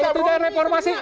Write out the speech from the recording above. kalau tidak reformasi